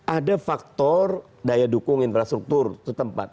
ada faktor daya dukung infrastruktur setempat